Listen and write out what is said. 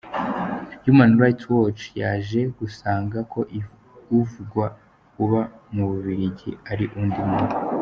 Human Rights Watch yaje gusanga ko uvugwa uba mu Bubiligi ari undi muntu.